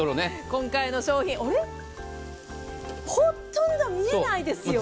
今回の商品はほとんど見えないですよね。